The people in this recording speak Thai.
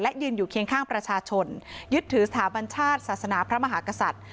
ยืนอยู่เคียงข้างประชาชนยึดถือสถาบัญชาติศาสนาพระมหากษัตริย์